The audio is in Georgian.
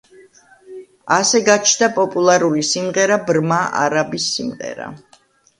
ასე გაჩნდა პოპულარული სიმღერა „ბრმა არაბის სიმღერა“.